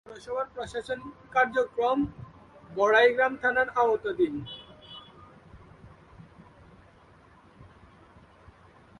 এ পৌরসভার প্রশাসনিক কার্যক্রম বড়াইগ্রাম থানার আওতাধীন।